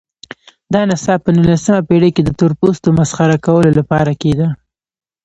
دا نڅا په نولسمه پېړۍ کې د تورپوستو مسخره کولو لپاره کېده.